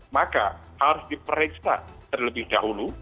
maka harus diperiksa terlebih dahulu